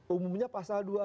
umumnya pasal dua belas